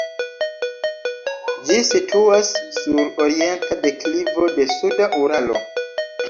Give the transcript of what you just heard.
Ĝi situas sur orienta deklivo de suda Uralo.